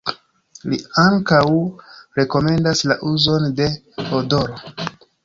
Li ankaŭ rekomendas la uzon de odoro.